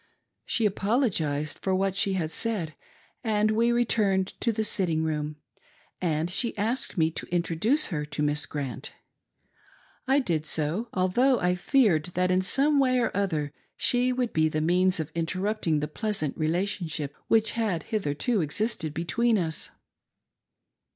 She apologised for what she had said, and we returned to the sitting room, and she asked me to introduce her to Miss Grant. I did so, although I feared that in some way or othec she would be the means of interrupting the pleasant relation ship which had hitherto existed between us.